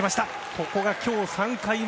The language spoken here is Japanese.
ここが今日３回目。